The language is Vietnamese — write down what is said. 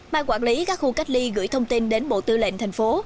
ban quản lý các khu cách ly gửi thông tin đến bộ tư lệnh thành phố